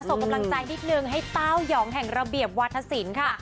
ส่งกำลังใจนิดนึงให้เต้ายองแห่งระเบียบวัฒนศิลป์ค่ะ